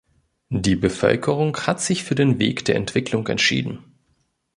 Die Bevölkerung hat sich für den Weg der Entwicklung entschieden.